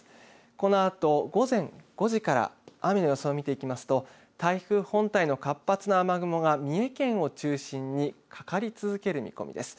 このあと午前５時から雨の予想を見ていきますと台風本体の活発な雨雲が三重県を中心にかかり続ける見込みです。